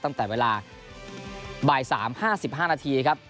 ตั้งแต่เวลาบ่าย๓๕๕นาทีครับ